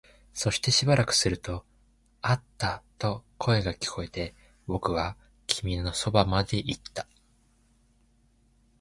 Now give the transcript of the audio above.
そしてしばらくすると、あったと声が聞こえて、僕は君のそばまで行った